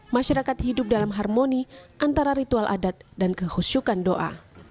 masyarakat hidup dalam harmoni antara ritual adat dan kehusukan doa